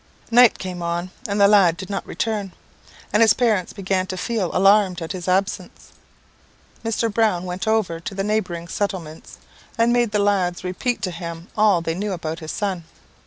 "Night came on and the lad did not return, and his parents began to feel alarmed at his absence. Mr. Brown went over to the neighbouring settlements, and made the lads repeat to him all they knew about his son.